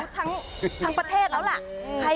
ทั้งประเทศแล้วแหละ